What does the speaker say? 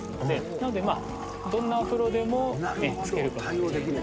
なので、どんなお風呂でもつけることができる。